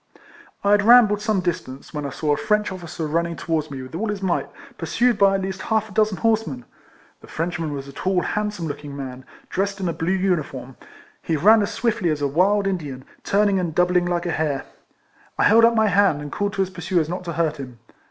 I had rambled some distance, when I saw a French officer running towards me with all his might, pursued by at least half a dozen horsemen. The Frenchman was a tall, handsome looking man, dressed in a blue uniform ; he ran as swiftly as a wild In dian, turning and doubling like a hare. I held up my hand, and called to his pursuers not to hurt him.